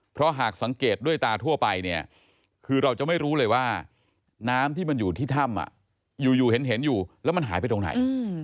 เพราะหากสังเกตด้วยตาทั่วไปเนี่ยคือเราจะไม่รู้เลยว่าน้ำที่มันอยู่ที่ถ้ำอยู่เห็นอยู่แล้วมันหายไปตรงไหน